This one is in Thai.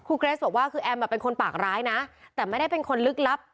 เกรสบอกว่าคือแอมเป็นคนปากร้ายนะแต่ไม่ได้เป็นคนลึกลับ